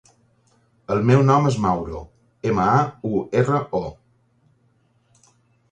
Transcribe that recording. El meu nom és Mauro: ema, a, u, erra, o.